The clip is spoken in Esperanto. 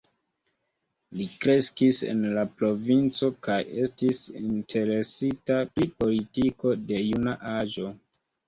Li kreskis en la provinco, kaj estis interesita pri politiko de juna aĝo.